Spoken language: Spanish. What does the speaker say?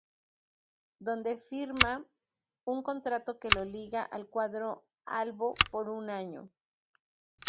Donde firma un contrato que lo liga al cuadro albo por un año.